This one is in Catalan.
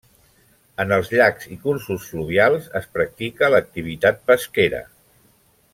En els llacs i cursos fluvials es practica l'activitat pesquera.